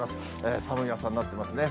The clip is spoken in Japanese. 寒い朝になってますね。